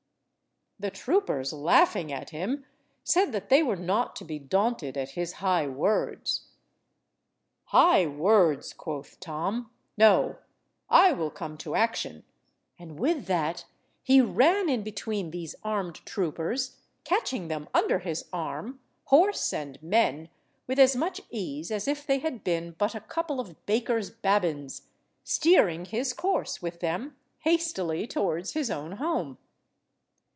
The troopers, laughing at him, said that they were not to be daunted at his high words. "High words," quoth Tom. "No, I will come to action," and with that he ran in between these armed troopers, catching them under his arm, horse and men, with as much ease as if they had been but a couple of baker's babbins, steering his course with them hastily towards his own home.